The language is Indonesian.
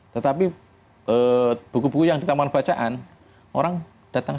tetapi buku buku yang di taman bacaan orang datang